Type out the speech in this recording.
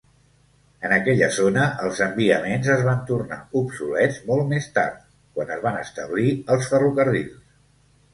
En aquella zona, els enviaments es van tornar obsolets molt més tard, quan es van establir els ferrocarrils.